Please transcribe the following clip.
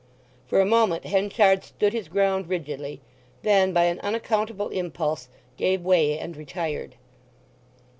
For a moment Henchard stood his ground rigidly; then by an unaccountable impulse gave way and retired.